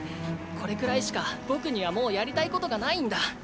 これくらいしか僕にはもうやりたいことがないんだ。